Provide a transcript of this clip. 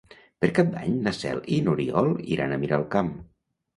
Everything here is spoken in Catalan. Per Cap d'Any na Cel i n'Oriol iran a Miralcamp.